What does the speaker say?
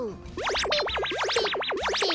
ピッピッピッピッ。